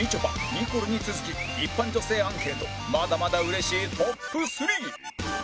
ニコルに続き一般女性アンケートまだまだうれしいトップ３